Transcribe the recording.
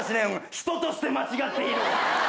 人として間違っている。